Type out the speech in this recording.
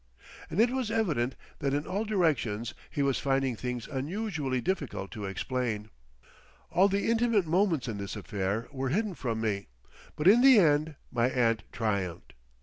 And it was evident that in all directions he was finding things unusually difficult to explain. All the intimate moments in this affair were hidden from me, but in the end my aunt triumphed.